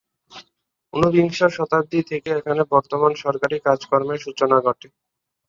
ঊনবিংশ শতাব্দী থেকে এখানে বর্তমান সরকারি কাজকর্মের সূচনা ঘটে।